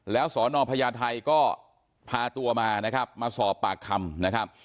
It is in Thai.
แล้วสอนอพญาไทยก็พาตัวมานะครับมาสอบปากคำนะครับ